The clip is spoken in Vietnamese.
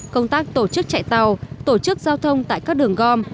công tác tổ chức chạy tàu tổ chức giao thông tại các đường gom